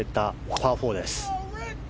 パー４です。